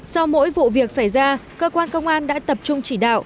sau mỗi vụ việc xảy ra cơ quan công an đã tập trung chỉ đạo